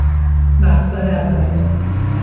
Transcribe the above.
مخزن اسلحه